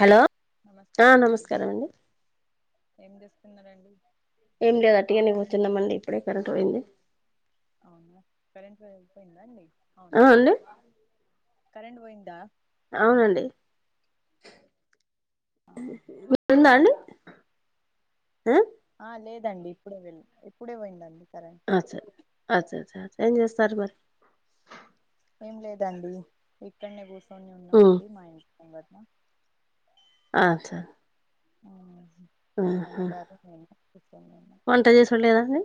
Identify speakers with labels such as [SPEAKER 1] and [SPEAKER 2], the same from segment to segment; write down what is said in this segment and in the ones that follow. [SPEAKER 1] Hello
[SPEAKER 2] నమస్కారం అండి ఏం చేస్తున్నారండి
[SPEAKER 1] ఏం లేదు అట్టిగానే కూర్చున్నామండీ ఇప్పుడే కరెంట్ పోయింది
[SPEAKER 2] అవునా కరెంట్ [unintelligible] పోయిందా అండి
[SPEAKER 1] ఆ
[SPEAKER 2] అవునవున
[SPEAKER 1] అండి
[SPEAKER 2] కరెంట్ పోయిందా మ్మ్.
[SPEAKER 1] అవునండి
[SPEAKER 2] ఆహా.
[SPEAKER 1] ఉందా అండి
[SPEAKER 2] లేదండి ఆహ్ లేదండి ఇప్పుడే వెళ్ళ ఇప్పుడే పోయిందండి కరెంట్
[SPEAKER 1] ఆచ ఆచ చా చా ఏం చేస్తారు మరి
[SPEAKER 2] ఏం లేదండి ఇక్కడనే కూర్చొని
[SPEAKER 1] ఉమ్
[SPEAKER 2] ఉన్నామండి మా ఇంటి ముంగట్ నె
[SPEAKER 1] ఆ చ
[SPEAKER 2] మా ఆయనగారు నేను కూర్చుని ఉన్నాం
[SPEAKER 1] స్త్ లంది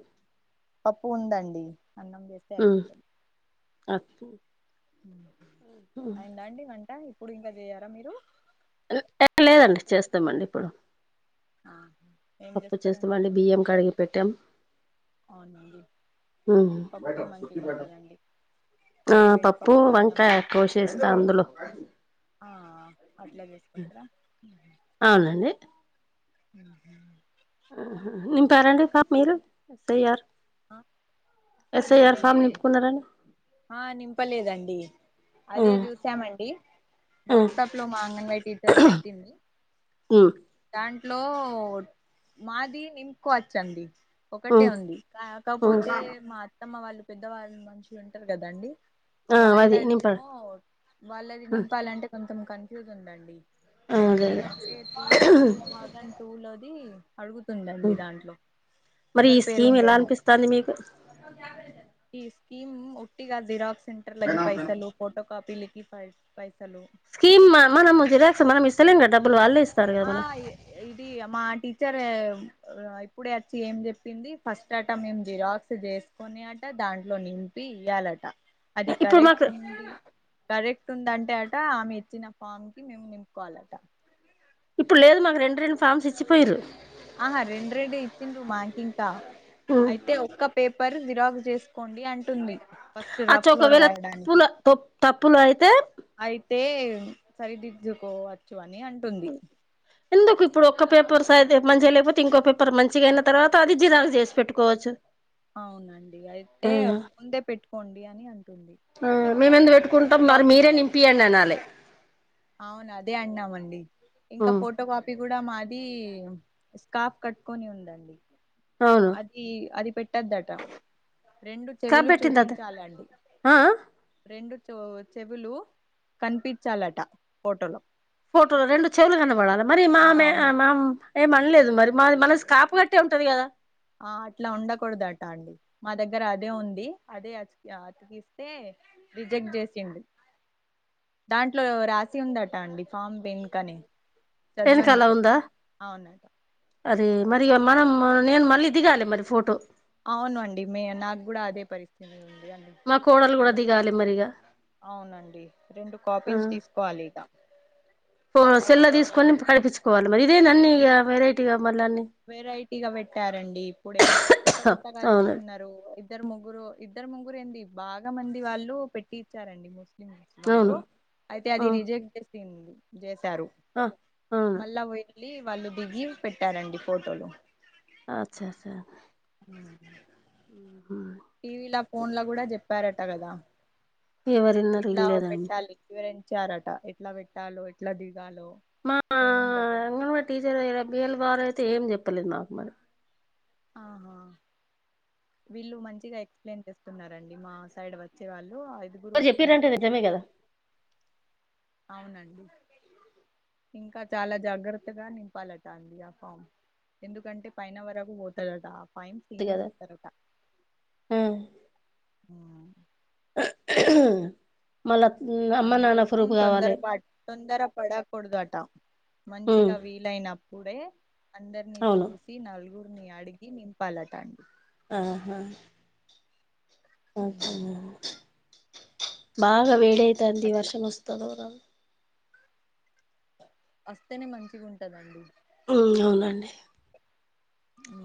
[SPEAKER 2] పప్పు ఉందండి అన్నం వేస్
[SPEAKER 1] ఉమ్
[SPEAKER 2] అయిపోతది అయిందండి వంట ఇప్పుడు ఇంక జేయరా మీరు
[SPEAKER 1] లేదండి చేస్తామండి ఇప్పుడు
[SPEAKER 2] ఆ
[SPEAKER 1] పప్పు చేస్తే మళ్ళీ బియ్యం కడిగి పెట్టాం
[SPEAKER 2] అవునండి
[SPEAKER 1] ఉమ్
[SPEAKER 2] పప్పె మంచిగా ఉంటది అండి
[SPEAKER 1] ఆహ్ పప్పు వంకాయ కోషేస్త అందులో
[SPEAKER 2] ఆహ్ అట్ల చేసుకుంటార ఉహు
[SPEAKER 1] అవునండి
[SPEAKER 2] ఊహు
[SPEAKER 1] [unintelligible] పాప్ మీరు
[SPEAKER 2] ఆ
[SPEAKER 1] ఎస్ఐఆర్ ఫామ్
[SPEAKER 2] ఏమండి
[SPEAKER 1] నింపుకున్నారాండి
[SPEAKER 2] ఆ నింపలేదండి అదే
[SPEAKER 1] ఆ
[SPEAKER 2] చూసామండి
[SPEAKER 1] ఆ
[SPEAKER 2] వాట్సాప్ లో మా అంగన్వాడీ టీచర్ పెట్టింది
[SPEAKER 1] హ్మ్
[SPEAKER 2] దాంట్లో మాది నింపుకోవచ్చండి ఒకటే
[SPEAKER 1] ఉమ్
[SPEAKER 2] ఉంది కాపోతే మా అత్తమ్మ వాళ్ళు పెద్దవాళ్ళు మనుషులు ఉంటారు కదా అండి
[SPEAKER 1] ఆ అది నింపా
[SPEAKER 2] వాళ్ళదేమో వాళ్ళది నింపాలంటే కొంచెం కన్ఫ్యూజ్ ఉందండి
[SPEAKER 1] అదే
[SPEAKER 2] ఎందుకంటే టూ టూ థౌజండ్ టూ లోది అడుగుతుందండి దాంట్లో ఎవరి పేరు ఉండెనో
[SPEAKER 1] తన్ది మీకు
[SPEAKER 2] ఈ స్కీమ్ ఒట్టిగా జిరాక్ సెంటర్ లకి పైసలు ఫోటో కాపీలకి పై పైసలు
[SPEAKER 1] స్కీం మనం జిరాక్స్ మనం ఇస్తలేం క డబ్బులు వాళ్ళే ఇస్
[SPEAKER 2] ఆ ఏ ఇది మా టీచర్ అ ఇప్పుడే వచ్చి ఏం చెప్పింది ఫస్ట్ అట మేం జిరాక్స్ చేసి కొనేట దాంట్లో నింపి ఇయ్యాలట అది
[SPEAKER 1] ఇప్పుడు
[SPEAKER 2] కరెక్ట్
[SPEAKER 1] మాకు
[SPEAKER 2] ఉండి కరెక్ట్ ఉందంటే అట ఆమె ఇచ్చిన ఫామ్ కి మేము నింపుకోవాలట
[SPEAKER 1] ఇప్పుడు లేదు మాకు రెండు రెండు ఫార్మ్స్ ఇచ్చిపోయిర్రు
[SPEAKER 2] ఆహా రెండు రెండు ఇచ్చిండ్రు మాకు ఇంకా అయితే ఒక్క పేపర్ జిరాక్స్ చేస్ కోండి అంటుంది ఫస్ట్
[SPEAKER 1] అచ్చ
[SPEAKER 2] రఫ్లో
[SPEAKER 1] ఒకవేళ
[SPEAKER 2] రాయడానికి
[SPEAKER 1] తప్పుల తప్పులు అయితే
[SPEAKER 2] అయితే సరిదిద్దుకోవచ్చు అని అంటుంది
[SPEAKER 1] ఎందుకు ఇప్పుడు ఒక్క పేపర్ స అ మంచిగా లేకపోతే ఇంకో పేపర్ మంచిగ అయిన తర్వాత అది జిరాక్స్ చేసి పెట్టుకోవచ్చు
[SPEAKER 2] అవునండి అయితే ముందే పెట్టుకోండి అని అంటుంది
[SPEAKER 1] ఆ
[SPEAKER 2] ఇంకా
[SPEAKER 1] మేము ఎందుకు
[SPEAKER 2] ఫోటో
[SPEAKER 1] పెట్టుకుంటాం మరి మీరే
[SPEAKER 2] కాపీకి
[SPEAKER 1] నింపియండి అనాలి
[SPEAKER 2] అవును అదే అన్నామండి ఇంకా ఫోటో పం పి కూడా మాది స్కార్ఫ్ కట్టుకొని ఉందండి
[SPEAKER 1] అవును
[SPEAKER 2] అదీ అది పెట్టొద్దట రెండు
[SPEAKER 1] స్కాప్
[SPEAKER 2] చెవులు
[SPEAKER 1] పెట్టింది
[SPEAKER 2] చూపించాలండి
[SPEAKER 1] అద
[SPEAKER 2] రెండు చె చెవులు కనిపించాలట ఫోటోలో
[SPEAKER 1] ఫోటోలో రెండు చెవులు కనబడాల మరి
[SPEAKER 2] ఆ
[SPEAKER 1] మామె
[SPEAKER 2] అవున
[SPEAKER 1] మామ్ ఏం మనలేదు మరి మాది మన స్కాఫ్ కట్టే ఉంటది కదా
[SPEAKER 2] ఆ అట్లా ఉండకూడదట అండి మా దగ్గర అదే ఉంది అదే కిస్తే రిజెక్ట్ చేసిండు దాంట్లో రాసి ఉంది అట అండి ఫామ్ వెనుకనే చదవండి
[SPEAKER 1] వెనకలా
[SPEAKER 2] అట
[SPEAKER 1] ఉందా
[SPEAKER 2] అవునట
[SPEAKER 1] అది మరి ఇక మనం నేను మళ్ళీ దిగాలి మరి ఫోటో
[SPEAKER 2] అవును అండి మే నాకు కూడా అదే పరిస్థితి ఉంది అండి
[SPEAKER 1] మా కోడలు కూడా
[SPEAKER 2] మళ్ళా
[SPEAKER 1] దిగాలి మరిగా
[SPEAKER 2] అవును అండి రెండు కాపీస్ తీసుకోవాలి ఇక
[SPEAKER 1] ఓ సెల్లా తీసుకొని కడిపించుకోవాలి మరి ఇదే అన్ని ఇగా వెరైటీగా మళ్ళ అన్నీ
[SPEAKER 2] వెరైటీగా పెట్టారండి ఇప్పుడే కొత్త కొత్తగా
[SPEAKER 1] అవును
[SPEAKER 2] చెప్తున్నారు ఇద్దరు ముగ్గురు ఇద్దరు ముగ్గురు ఏంది బాగా మంది వాళ్ళు పెట్టి ఇచ్చారండి మోస్
[SPEAKER 1] అవును
[SPEAKER 2] వాళ్ళు అయితే
[SPEAKER 1] ఆ
[SPEAKER 2] అది రిజెక్ట్ చేసిం చేశారు
[SPEAKER 1] ఆ అవును
[SPEAKER 2] మళ్ళా వెళ్ళి వాళ్ళు దిగి పెట్టారండి ఫోటోలు
[SPEAKER 1] అచ్చ చ
[SPEAKER 2] ఉ
[SPEAKER 1] ఆహ
[SPEAKER 2] టీవీల ఫోన్ ల కూడా చెప్పారట కదా
[SPEAKER 1] ఎవరున్నారు
[SPEAKER 2] ఇట్లా
[SPEAKER 1] ఇల్లేదండి
[SPEAKER 2] పెట్టాలి వివరించారట ఎట్లా పెట్టాలో ఎట్లా దిగాలో
[SPEAKER 1] మా
[SPEAKER 2] ఏమేమి రాయాలో
[SPEAKER 1] అంగన్వాడి టీచర్ ఇడ బిఎల్ ఓ గారు అయితే ఏం చెప్పలేదు మాకు మరి
[SPEAKER 2] ఆహా వీళ్ళు మంచిగా ఎక్స్‌ప్లెయిన్ చేస్తున్నారండి మా సైడ్ వచ్చే వాళ్ళు
[SPEAKER 1] వారి చెప్పిరంటే
[SPEAKER 2] వస్తున్నారు
[SPEAKER 1] నిజమే కదా
[SPEAKER 2] అవును అండి ఇంకా చాలా జాగ్రత్తగా నింపాలట అండి ఆ ఫామ్ ఎందుకంటే పైన వరకు పోతదట పైన సీఎం చూస్తారట
[SPEAKER 1] కదా [unintelligible] మళ్ల ఉం
[SPEAKER 2] అందుకోసం తొందర ప తొందర పడకూడదట
[SPEAKER 1] ఉమ్
[SPEAKER 2] మంచిగా అవి ఇల అయినప్పుడే అందరిని
[SPEAKER 1] అవును
[SPEAKER 2] చూసి నలుగురిని అడిగి నింపాలట అండి
[SPEAKER 1] ఆహా ఓ
[SPEAKER 2] ఉమ్.
[SPEAKER 1] బాగా వేడైతాంది
[SPEAKER 2] అట్లా
[SPEAKER 1] వర్షం వస్తదో రాదో
[SPEAKER 2] వస్తనే మంచిగా ఉంటదండి
[SPEAKER 1] ఉమ్ అవునండి
[SPEAKER 2] అ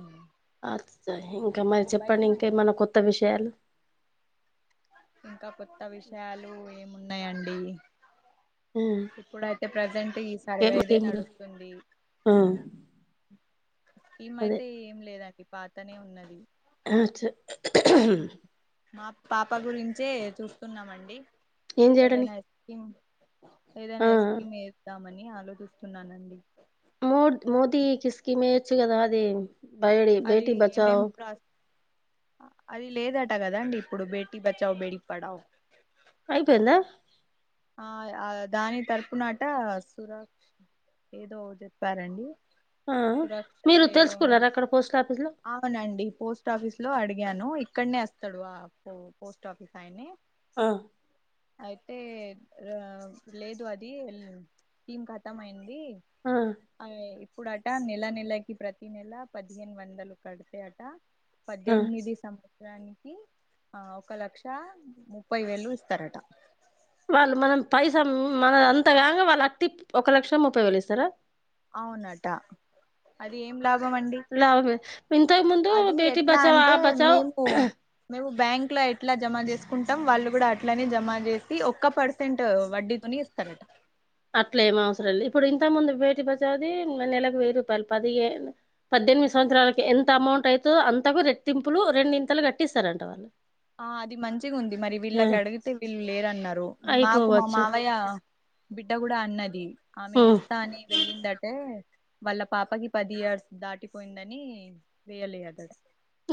[SPEAKER 1] ఇంకా మరి చెప్పండి ఇంకా ఏమన్నా కొత్త విషయాలు
[SPEAKER 2] ఇంకా కొత్త విషయాలు ఏమున్నాయండి
[SPEAKER 1] ఉ
[SPEAKER 2] ఇప్పుడు అయితే ప్రజెంట్ సర్వేదే నడుస్తుంది
[SPEAKER 1] ఆ అదే
[SPEAKER 2] ఈమైతే ఏం లేదండి పాతనే ఉన్నది
[SPEAKER 1] ఆచ
[SPEAKER 2] మా పాప గురించే చూస్తున్నామండి
[SPEAKER 1] ఏం
[SPEAKER 2] ఏదయినా
[SPEAKER 1] చేయడానికి
[SPEAKER 2] ఐస్కీమ్
[SPEAKER 1] ఆ
[SPEAKER 2] ఏదయినా ఐస్కీమ్ ద్దామని ఆలోచిస్తున్నానండి
[SPEAKER 1] మో మోదీ [unintelligible] కిసుకమే అచ్చి కాద బడి
[SPEAKER 2] అది
[SPEAKER 1] బేటీ
[SPEAKER 2] ఏమేం
[SPEAKER 1] బచావు
[SPEAKER 2] ప్రాస్ అది లేదట కదా అండి ఇప్పుడు బేటీ బచావు బేటీ పడావు
[SPEAKER 1] అయిపోంద
[SPEAKER 2] ఆ దాని ఆ తరపునట సురా ఏదో చెప్పారండి
[SPEAKER 1] ఆ
[SPEAKER 2] సురక్ష
[SPEAKER 1] మీరు
[SPEAKER 2] ఏదో ఉంది
[SPEAKER 1] తెలుసుకున్నారా అక్కడ పోస్ట్ ఆఫీస్ లో
[SPEAKER 2] [unintelligible] అవునండి పోస్ట్ ఆఫీస్ లో అడిగాను ఇక్కడనే వస్తాడు ఆ పోస్ట్ ఆఫీస్ ఆయనే
[SPEAKER 1] ఆ
[SPEAKER 2] అయితే ఆ లేదు అది స్కీమ్ కతం అయింది
[SPEAKER 1] ఆ
[SPEAKER 2] అ ఇప్పుడు అట నెల నెలకి ప్రతి నెల పదిహేను వందలు కడతా అట
[SPEAKER 1] ఆ
[SPEAKER 2] పద్దెనిమిది సం నికి ఆ ఒక లక్ష ముప్పై వేలు ఇస్తారట
[SPEAKER 1] వాళ్ళు మనం పైసా మన అంత కాగా వాళ్ళు అటి ఒక లక్షం ముప్పై వేలు ఇస్తారా
[SPEAKER 2] అవునట అది ఏం లాభం అండి
[SPEAKER 1] లాభమే ఇంతకు ముందు
[SPEAKER 2] అది
[SPEAKER 1] బేటీ
[SPEAKER 2] ఎట్లా
[SPEAKER 1] బచావ
[SPEAKER 2] అంటే
[SPEAKER 1] ఆ బచావ
[SPEAKER 2] మేము
[SPEAKER 1] [unintelligible]
[SPEAKER 2] మేము బ్యాంక్ లో ఎట్లా జమ చేసుకుంటాం వాళ్ళు కూడా అట్లానే జమా చేసి ఒక్క పర్సెంట్ వడ్డీతోని సరేట్ [unintelligible]
[SPEAKER 1] అట్లే ఏం అవసరం లేదు ఇప్పుడు ఇంత ముందు భేటీ బచావు ది నెలకు వెయ్యి రూపాయలు పది పద్దెనిమిది సంవత్సరాలకి ఎంత అమౌంట్ అవుతుందో అంతకు రెట్టింపులు రెండి ఇంతలు కట్టిస్తారంటారు ాల
[SPEAKER 2] ఆ అది మంచిగా ఉంది మరి వీళ్ళకి అడిగితే వీళ్ళు లేరన్నారు మాకు మా
[SPEAKER 1] అయిపోవచ్చు
[SPEAKER 2] మావయ్య బిడ్డ కూడా అన్నది ఆమె
[SPEAKER 1] ఉమ్
[SPEAKER 2] ఇస్తా అని వెళ్ళిందట్టే వాళ్ళ పాపకి పది ఇయర్స్ దాటిపోయిందని వేయలే అదడు [unintelligible]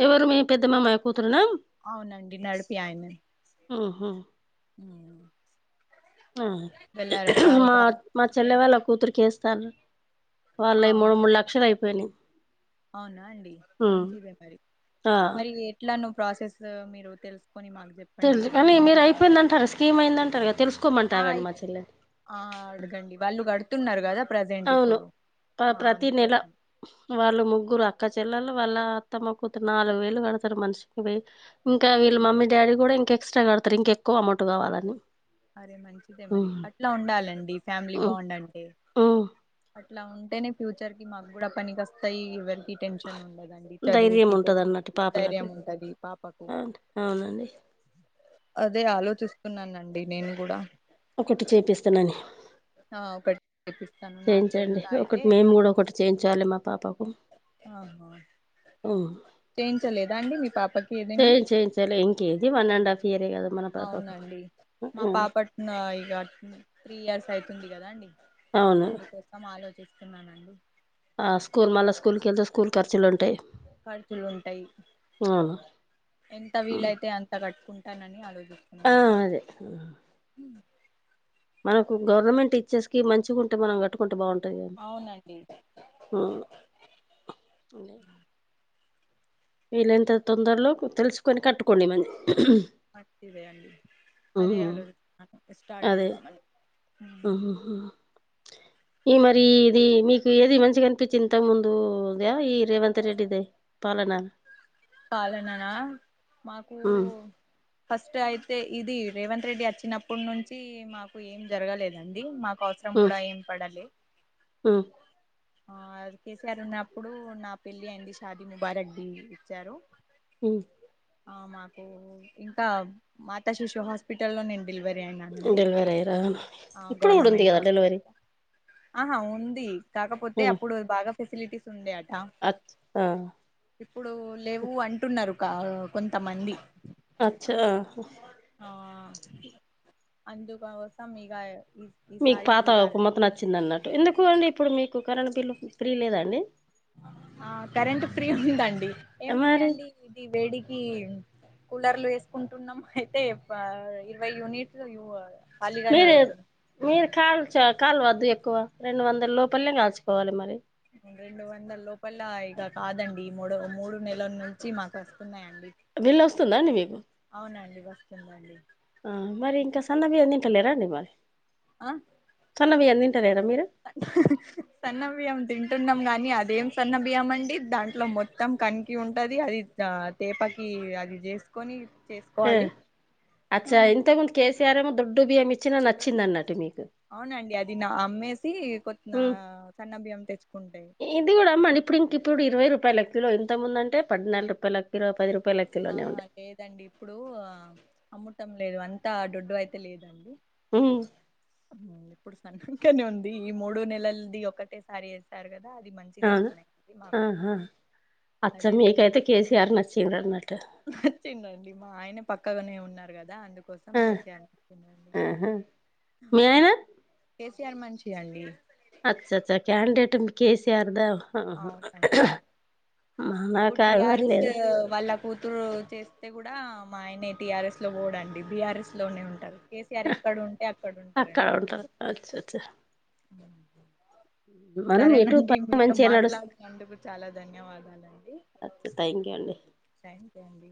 [SPEAKER 1] ఎవరు మీ పెద్ద మామయ్య కూతురునా
[SPEAKER 2] అవునండి నడిపి ఆయన
[SPEAKER 1] ఉహు ఆ
[SPEAKER 2] వెళ్ళారట
[SPEAKER 1] మా
[SPEAKER 2] ఇక
[SPEAKER 1] మా
[SPEAKER 2] ఇదే
[SPEAKER 1] చెల్లె వాళ్ళ కూతురిక వేస్తారు వాళ్ళు
[SPEAKER 2] ఆ
[SPEAKER 1] ఈ మూడు మూడు లక్షలు అయిపోయినాయి
[SPEAKER 2] అవునా అండి
[SPEAKER 1] ఉమ్
[SPEAKER 2] మంచిదే మరి
[SPEAKER 1] ఆ
[SPEAKER 2] మరి ఇట్లా ను ప్రాసెస్ మీరు తెలుసుకుని మాకు చెప్
[SPEAKER 1] తెలుసు కానీ మీరు అయిపోయిందంటార స్కీమ్ అయిందంటారు కదా
[SPEAKER 2] ఆ
[SPEAKER 1] తెలుసుకోమంటారు కండి
[SPEAKER 2] ఇ-
[SPEAKER 1] మా చెల్ల
[SPEAKER 2] ఆ అడగండి వాళ్ళు కడుతున్నారు కదా ప్రజెంట్
[SPEAKER 1] అవును
[SPEAKER 2] ఇప్పుడు
[SPEAKER 1] ప
[SPEAKER 2] ఆ
[SPEAKER 1] ప్రతి నెల
[SPEAKER 2] అందుకోసం
[SPEAKER 1] వాళ్ళు ముగ్గురు అక్క చెల్లలు వాళ్ళ అత్తమ్మ కుతులు నాలుగు వేలు కడతారు మనిషికి వేయి ఇంకా వీళ్ళ
[SPEAKER 2] ఆ.
[SPEAKER 1] మమ్మీ డాడీ కూడా ఇంక ఎక్ట్రా కడతారు ఇంకా ఎక్కువ అమౌంట్ కావాలని
[SPEAKER 2] ఆదే మంచిదే మరి
[SPEAKER 1] ఉమ్,
[SPEAKER 2] అట్లా ఉండాలండి ఫ్యామిలీ
[SPEAKER 1] ఉమ్,
[SPEAKER 2] బాండ్ అంటే
[SPEAKER 1] ఉమ్.
[SPEAKER 2] అట్లా ఉంటేనే ఫ్యూచర్ కి మాకు కూడా పనికి వస్తాయి ఎవరికి టెన్షన్ ఉండదండి
[SPEAKER 1] ధైర్యం
[SPEAKER 2] చదువుకి
[SPEAKER 1] ఉంటది అన్నట్టు
[SPEAKER 2] పెళ్ళికి
[SPEAKER 1] పాపలకు
[SPEAKER 2] ధైర్యం ఉంటది పాపకు
[SPEAKER 1] అవును- అవునండి
[SPEAKER 2] అదే ఆలోచిస్తున్నానండి నేను కూడా
[SPEAKER 1] ఒకటి చేపిస్తనని
[SPEAKER 2] ఆ ఒకటి పాకిస్తా [unintelligible]
[SPEAKER 1] చేయించండి ఒకటి మేము కూడా ఒకటి చేయించాలి మా పాపకు
[SPEAKER 2] ఆహా
[SPEAKER 1] ఉమ్.
[SPEAKER 2] చేయించలేదా అండి మీ పాపకి ఏదైనా
[SPEAKER 1] [unintelligible] ఇంకేది వన్ అండ్ హఫ్ ఇయర్ కదా మన పాపకు
[SPEAKER 2] అవునండి మా
[SPEAKER 1] ఉమ్.
[SPEAKER 2] పాపట్ నా ఇక త్రీ ఇయర్స్ అయితుంది. కదా అండి
[SPEAKER 1] అవును
[SPEAKER 2] అందుకోసం మొత్తం ఆలోచిస్తున్నానండి.
[SPEAKER 1] ఆ స్కూల్ మళ్ళా స్కూల్కి వెళ్తే స్కూల్ ఖర్చులు ఉంటాయి.
[SPEAKER 2] ఖర్చులు ఉంటాయి.
[SPEAKER 1] అవును
[SPEAKER 2] ఎంత వీలైతే అంత కట్టుకుంటానని ఆలోచిస్తను
[SPEAKER 1] ఆ
[SPEAKER 2] అవునండి
[SPEAKER 1] అదే మనకు గవర్నమెంట్ ఇచ్చేస్కీమ్ మంచిగాగుంటే మనం కట్టుకుంటే బాగుంటుంది. కానీ
[SPEAKER 2] అవునండి
[SPEAKER 1] అే వీలంత తొందరలో తెలుసుకొని కట్టుకోండి మరీ
[SPEAKER 2] మంచి ఇదే అండి అదే అలోచూస్తున్న స్టార్ట్ చేద్దామని.
[SPEAKER 1] ఆ ఈ మరి ఇది మీకు ఏది మంచిగా కనిపించి ఇంత ముందుద ఈ రేవంత్ రెడ్డిదే పాలన
[SPEAKER 2] పాలననా మాకు
[SPEAKER 1] హ్మ్.
[SPEAKER 2] ఫస్ట్ అయితే ఇది రేవంత్ రెడ్డి వచ్చినప్పడు నుంచి మాకు ఏం జరగలేదండి. మాకు అవస అం కూడా ఏం పడాల
[SPEAKER 1] ఆ
[SPEAKER 2] ఆ కేసీఆర్ ఉన్నప్పుడు నా పెళ్లిి అయింది షాదిీ ముబారాక్ ఇచ్చారు.
[SPEAKER 1] ఉ
[SPEAKER 2] ఆ మాకు ఇంకా మాతా శిశు హాస్పిటల్ లో నేను డెలివరీ అయినానండి.
[SPEAKER 1] డెలివరీ అయ్యారా ఇప్పుడు కూడా ఉంది
[SPEAKER 2] గవర్నమెంట్
[SPEAKER 1] కదా డెలివరీ
[SPEAKER 2] హాస్పిటల్ ఆహా ఉంది కాకపోతే అప్పుడు బాగా ఫెసిలిటీస్ ఉండే అట
[SPEAKER 1] అత్ ఆ
[SPEAKER 2] ఇప్పుడు లేవు అంటున్నారు. కొంతమంది
[SPEAKER 1] అచ్చ ఆ
[SPEAKER 2] ఆ అందుకోసం ఇక
[SPEAKER 1] మీకు పాత ఒక మొత్తం నచ్చింది అన్నట్టు ఎందుకు అండి ఇప్పుడు మీకు కరెంట్ బిల్లు ఫ్రీ లేదాఅండి.
[SPEAKER 2] ఆ కరెంట్ ఫ్రీ ఉందండి. ఏం ఫ్రీ
[SPEAKER 1] మరి
[SPEAKER 2] అండి ఇది వేడికి కూలర్లు వేసుకుంటున్నాం. అయితే ఇరవైయూనిట్స్
[SPEAKER 1] మీరు మీరు కాలుు చ కాలువద్దు ఎక్కువ రెండు వందల లోపలలే కాల్చుకోవాలి. మరి
[SPEAKER 2] రెండు వందల లోపల ఇక కాదండి. ఈ మూడు మూడు నెలల నుంచి మాకు వస్తున్నాయండి.
[SPEAKER 1] బిల్లు వస్తుందా అండి మీకు
[SPEAKER 2] అవునండి. వస్తుందండి.
[SPEAKER 1] మరి ఇంకా సన్న బియ్య తింటలేరా అండి. మరి సన్నబియ్యం తింటలేరా. మీరు
[SPEAKER 2] సన్నబియ్యం తింటున్నాం. కానీ అదేం సన్న బియ్యం అండి దాంట్లో మొత్తం మొత్తం కంకి ఉంటంది. అది తేపకి అది చేసుకొని చే
[SPEAKER 1] అచ్చా ఇంతకుముందు కేసీఆర్ ఏమో దొడ్డుబియ్యం ఇచ్చినా నచ్చింది. అన్నట్టు మీకు
[SPEAKER 2] అవునండి. అది నా అమ్మేసి కోన
[SPEAKER 1] ఉమ్,
[SPEAKER 2] సన్న బియ్యం తెచ్చుకుంటే
[SPEAKER 1] ఇది కూడా అమ్మండి. ఇంకి ఇప్పుడు ఇరవై రూపాయల కిలో ఇంతముందుందంటే పద్నాలుగు రూపాయల కిలో పది రూపాయల
[SPEAKER 2] ఆ
[SPEAKER 1] కిలోనే ఉండే
[SPEAKER 2] లేదండి ఇప్పుడు అమ్ముటం లేదు. అంతా దొడ్డు అయితే లేదండి.
[SPEAKER 1] ఉ
[SPEAKER 2] ఇప్పుడు సనకనే [unintelligible] ఉంది ఈ మూడు నెలలది ఒకటేసారి ఎస్తారు కదా అది మంచి
[SPEAKER 1] ఆ ఆహా అచ్చ
[SPEAKER 2] అదే తింటున్నాం
[SPEAKER 1] మీకైతే కేజీఆర్ నచ్చిండూన్నట్టు
[SPEAKER 2] నచ్చిందండి. మా ఆయన పక్కగానే ఉన్నారు. కదా అందుకోసం
[SPEAKER 1] ఆ
[SPEAKER 2] కేసీఆర్ నచ్చిందండి
[SPEAKER 1] మీ ఆయన
[SPEAKER 2] కేసీఆర్ మంచి అండి
[SPEAKER 1] అచ్చ అచ్చ క్యాండిడేట్ కేసీఆర్ ద
[SPEAKER 2] అవునండి ఇప్పుడు
[SPEAKER 1] మనకా ఎవరు
[SPEAKER 2] టిఆర్ఎస్
[SPEAKER 1] లేదు
[SPEAKER 2] వాళ్ళ కూతురు చేస్తే కూడా మా ఆయనే టిఆర్ఎస్ లో పోడండి బీఆర్ఎస్ లోనే ఉంటారు కేసీఆర్ ఎక్కడ ఉంటే అక్కడ
[SPEAKER 1] అక్కడ
[SPEAKER 2] ఉంటారండి
[SPEAKER 1] ఉంటారు అచ్చచ్చ మనం ఎటు చాలా మంచి
[SPEAKER 2] మాట్లాడి నందుకు చాలా ధన్యవాదాలండి
[SPEAKER 1] [unintelligible] థ్యాంక్ యూ అండి
[SPEAKER 2] థ్యాంక్స్ అండి